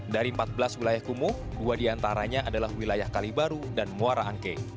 dari empat belas wilayah kumuh dua diantaranya adalah wilayah kalibaru dan muara angke